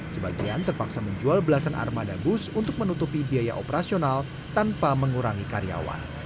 sebagian terpaksa menjual belasan armada bus untuk menutupi biaya operasional tanpa mengurangi karyawan